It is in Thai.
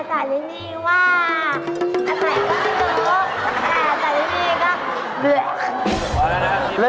อาจารย์ก็ไม่รู้แต่ใส่ดีก็เหลือ